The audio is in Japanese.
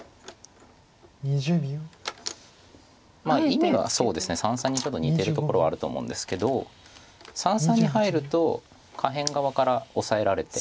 意味は三々にちょっと似てるところはあると思うんですけど三々に入ると下辺側からオサえられて。